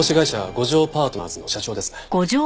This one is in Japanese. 五条パートナーズの社長ですね。